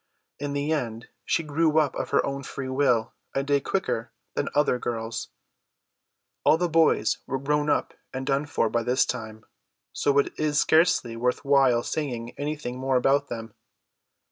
In the end she grew up of her own free will a day quicker than other girls. All the boys were grown up and done for by this time; so it is scarcely worth while saying anything more about them.